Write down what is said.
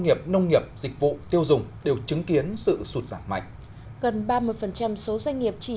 nghiệp nông nghiệp dịch vụ tiêu dùng đều chứng kiến sự sụt giảm mạnh gần ba mươi số doanh nghiệp chỉ